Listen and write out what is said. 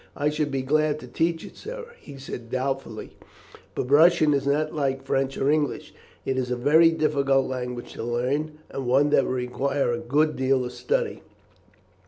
"I should be glad to teach it, sir," he said doubtfully, "but Russian is not like French or English. It is a very difficult language to learn, and one that would require a good deal of study.